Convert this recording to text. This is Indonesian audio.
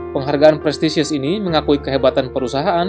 penghargaan prestisius ini mengakui kehebatan perusahaan